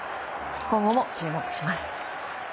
今後も注目します。